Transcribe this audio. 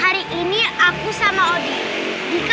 hari ini aku sama odi